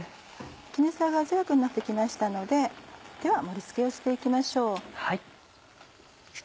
絹さやが鮮やかになってきましたのででは盛り付けをしていきましょう。